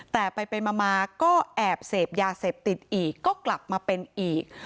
แต่ไปมาก็แอบเสพยาเสพติดอีกก็กลับมาเป็นอีก